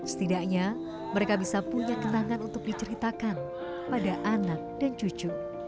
setidaknya mereka bisa punya kenangan untuk diceritakan pada anak dan cucu